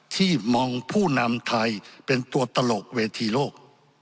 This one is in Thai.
ที่มองผู้นำไทยเป็นตัวตลกเวทีโลก